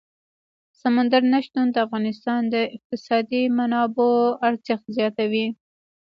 سمندر نه شتون د افغانستان د اقتصادي منابعو ارزښت زیاتوي.